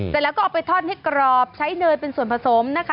เสร็จแล้วก็เอาไปทอดให้กรอบใช้เนยเป็นส่วนผสมนะคะ